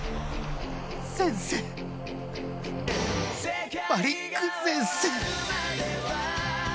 先生マリック先生。